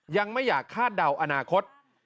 ยังไม่อยากคาดเดาอนาคต